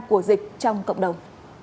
của dịch trong cộng đồng